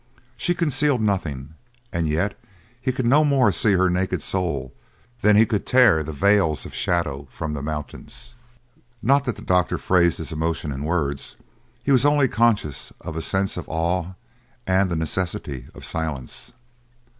She concealed nothing, and yet he could no more see her naked soul than he could tear the veils of shadow from the mountains. Not that the doctor phrased his emotions in words. He was only conscious of a sense of awe and the necessity of silence.